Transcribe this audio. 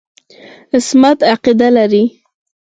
عصمت عقیده لري.